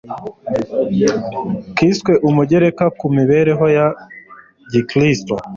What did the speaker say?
kiswe 'Umugereka ku Mibereho ya Gikristo